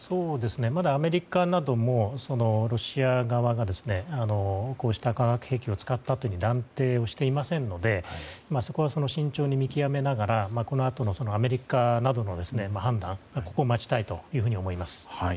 まだアメリカなどもロシア側がこうした化学兵器を使ったという断定をしていませんのでそこは慎重に見極めながらこのあとのアメリカなどの判断を待ちたいと思います。